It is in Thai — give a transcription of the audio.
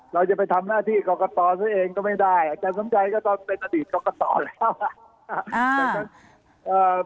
เราจะไปทำหน้าที่กรกตซะเองก็ไม่ได้อาจารย์สมชัยก็ต้องเป็นอดีตกรกตแล้ว